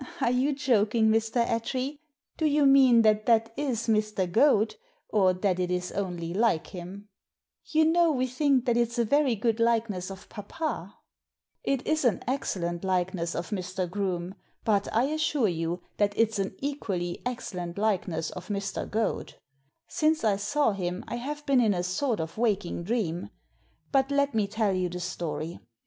"Are you joking, Mr. Attree? Do you mean that that is Mr. Goad, or that it is only like him ? You Digitized by VjOOQIC 232 THE SEEN AND THE UNSEEN know we think that it's a very good likeness of papa." "It is an excellent likeness of Mr. Groome, but I assure you that it's an equally excellent likeness of Mr. Goad. Since I saw him I have been in a sort of waking dream. But let me tell you the story.